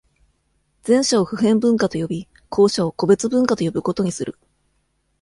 前者を、普遍文化と呼び、後者を、個別文化と呼ぶことにする。